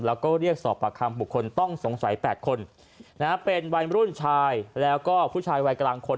แล้วก็เรียกสอบปากคำบุคคลต้องสงสัย๘คนนะฮะเป็นวัยรุ่นชายแล้วก็ผู้ชายวัยกลางคน